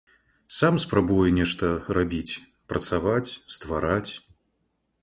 Сам спрабуе нешта рабіць, працаваць, ствараць.